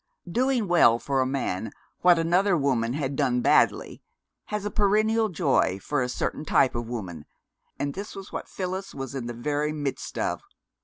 Doing well for a man what another woman has done badly has a perennial joy for a certain type of woman, and this was what Phyllis was in the very midst of.